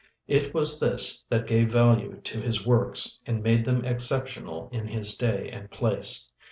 It was this that gave value to his works and made them exceptional in his day and place.